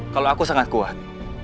kalau aku sangat kuat